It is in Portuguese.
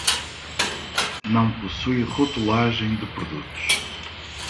Não possui rotulagem de produtos.